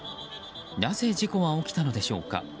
なぜ事故は起きたのでしょうか。